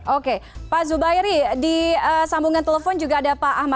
oke pak zubairi di sambungan telepon juga ada pak ahmad